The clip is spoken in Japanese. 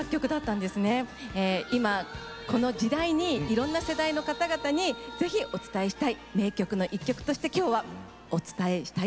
今この時代にいろんな世代の方々にぜひお伝えしたい名曲の一曲として今日はお伝えしたいと思いました。